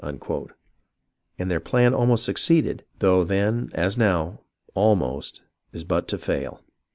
And yet their plan almost succeeded, though then, as now, " almost " is but to fail.